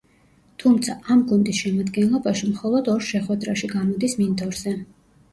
თუმცა, ამ გუნდის შემადგენლობაში მხოლოდ ორ შეხვედრაში გამოდის მინდორზე.